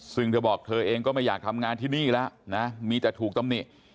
ซึ่งเธอบอกเธอเองก็ไม่อยากทำงานที่นี่แล้วนะมีแต่ถูกตำหนิ